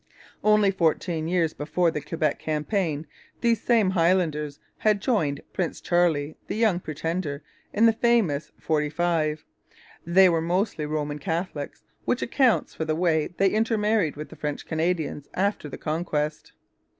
Only fourteen years before the Quebec campaign these same Highlanders had joined Prince Charlie, the Young Pretender, in the famous ''45.' They were mostly Roman Catholics, which accounts for the way they intermarried with the French Canadians after the conquest.